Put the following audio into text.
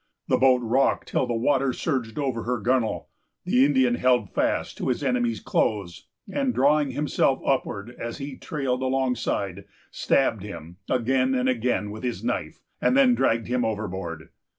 The boat rocked till the water surged over her gunwale. The Indian held fast to his enemy's clothes, and, drawing himself upward as he trailed alongside, stabbed him again and again with his knife, and then dragged him overboard.